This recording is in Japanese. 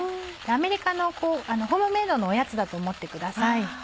アメリカのホームメードのおやつだと思ってください。